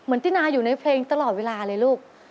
ตินาอยู่ในเพลงตลอดเวลาเลยลูก